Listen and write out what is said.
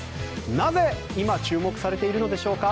なぜ、今注目されているのでしょうか。